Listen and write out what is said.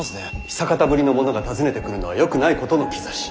久方ぶりの者が訪ねてくるのはよくないことの兆し。